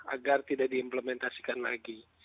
agar tidak diimplementasikan lagi